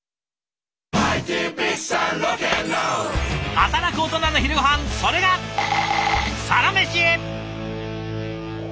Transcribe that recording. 働くオトナの昼ごはんそれが「サラメシ」。